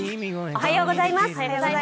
おはようございます。